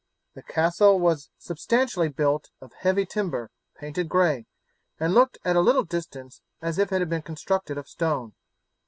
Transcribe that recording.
The castle was substantially built of heavy timber painted gray, and looked at a little distance as if constructed of stone.